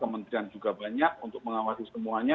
kementerian juga banyak untuk mengawasi semuanya